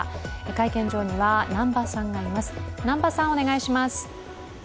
会見場には南波さんがいます。